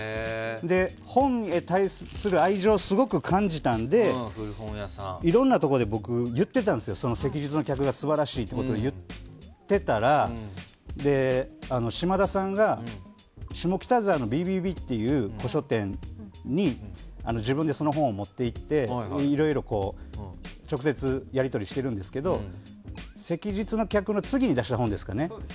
本に対する愛情を感じたのでいろんなところで僕はその「昔日の客」が素晴らしいと言ってたら島田さんが下北沢のビビビという古書店に自分でその本を持って行っていろいろ直接やりとりしてるんですけど「昔日の客」の次に出した本ですかね